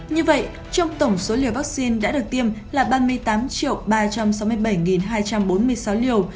như vậy trong tổng số liều vaccine đã được tiêm là ba mươi tám ba trăm sáu mươi bảy hai trăm bốn mươi sáu liều